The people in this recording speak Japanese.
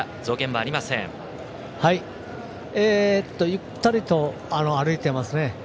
ゆったりと歩いてますね。